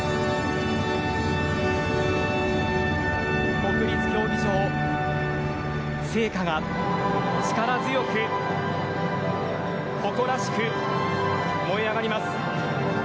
国立競技場聖火が力強く誇らしく燃え上がります。